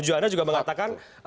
juwanda juga mengatakan